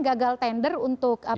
gagal tender untuk